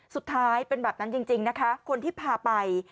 สุดท้ายเป็นแบบนั้นจริงนะคะคนที่พาไป